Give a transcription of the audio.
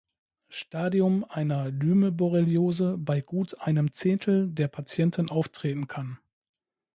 Stadium einer Lyme-Borreliose bei gut einem Zehntel der Patienten auftreten kann.